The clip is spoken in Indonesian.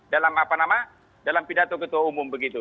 dalam pidato ketua umum begitu